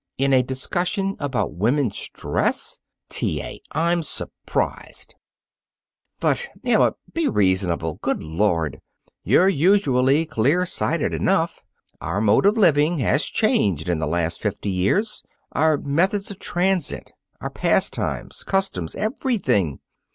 In a discussion about women's dress! T. A., I'm surprised." "But, Emma, be reasonable. Good Lord! You're usually clear sighted enough. Our mode of living has changed in the last fifty years our methods of transit, our pastimes, customs, everything.